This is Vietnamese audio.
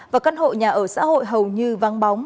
và căn hộ nhà ở xã hội hầu như vắng bóng